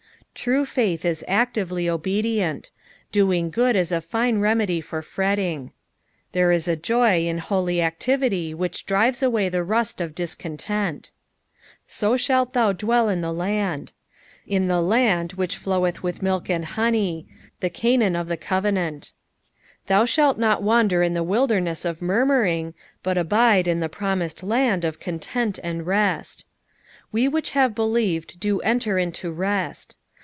"' True faith is actively obedient. Doing good is a fine remedy for fretting. There is a joy in holy activity wliicli drives away the rust of discontent. "So ikatt t/tov liaell in the Uind." In '■the land" which floweth with milk and honey ; tlie Canaan of ihe covenant. Thou shalt not wander in the wilderness of murmuring, but abide in the promised [sod of content and rest. "We which have belitved do enter into rest."